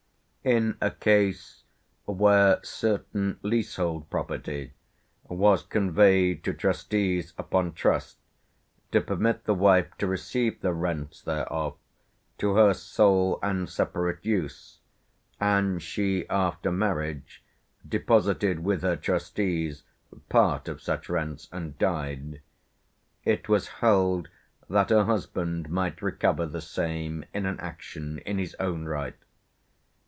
In a case where "certain leasehold property was conveyed to trustees upon trust to permit the wife to receive the rents thereof to her sole and separate use, and she after marriage deposited with her trustees part of such rents and died; it was held that her husband might recover the same in an action in his own right.